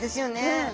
うん。